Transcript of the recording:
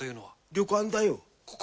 旅館だよ。